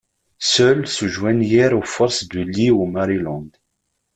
Seuls se joignirent aux forces de Lee au Maryland.